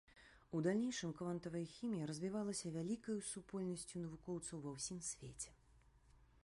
У далейшым квантавая хімія развівалася вялікаю супольнасцю навукоўцаў ва ўсім свеце.